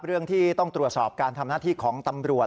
เรื่องที่ต้องตรวจสอบการทำหน้าที่ของตำรวจ